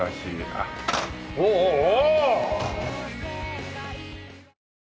おおおおお！